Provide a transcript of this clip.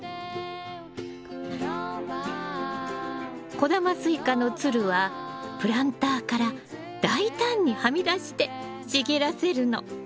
小玉スイカのつるはプランターから大胆にはみ出して茂らせるの。